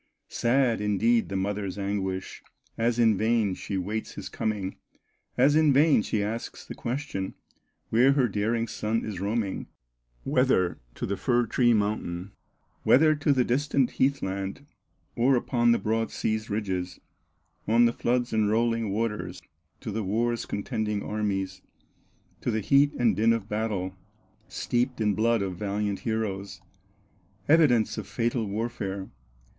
Sad, indeed, the mother's anguish, As in vain she waits his coming, As in vain she asks the question, Where her daring son is roaming, Whether to the fir tree mountain, Whether to the distant heath land, Or upon the broad sea's ridges, On the floods and rolling waters, To the war's contending armies, To the heat and din of battle, Steeped in blood of valiant heroes, Evidence of fatal warfare.